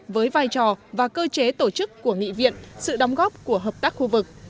với vai trò và cơ chế tổ chức của nghị viện sự đóng góp của hợp tác khu vực